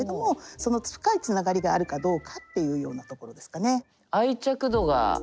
その深いつながりがあるかどうかっていうようなところですかね。